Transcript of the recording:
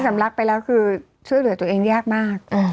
สำลักไปแล้วคือช่วยเหลือตัวเองยากมาก